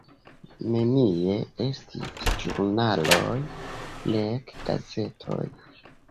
Nenie estis ĵurnaloj, nek gazetoj.